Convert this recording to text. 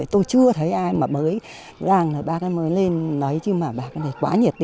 tôi chưa thấy ai mà mới bác ấy mới lên nói chứ mà bác ấy quá nhiệt